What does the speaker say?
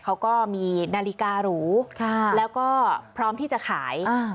เขาก็มีนาฬิการูค่ะแล้วก็พร้อมที่จะขายอ่า